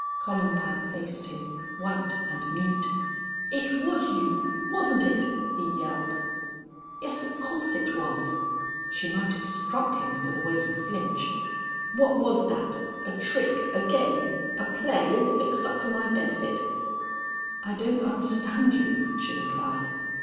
Columbine faced him, white and mute. "It was you wasn't it?" he yelled. "Yes, of course it was." She might have struck him, for the way he flinched. "What was that a trick a game a play all fixed up for my benefit?" "I don't understand you," she replied.